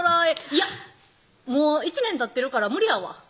「いやもう１年たってるから無理やわ」